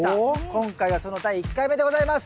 今回はその第１回目でございます。